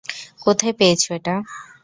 কোথায় পেয়েছো এটা?